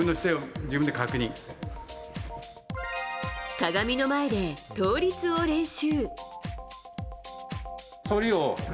鏡の前で倒立を練習。